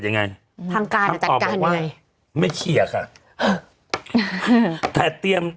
ทางการจะจัดการยังไงคำตอบว่าไม่เคี่ยค่ะแต่เตรียม